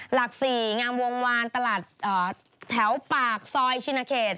หลัก๔งามวงวานตลาดแถวปากซอยชินเขต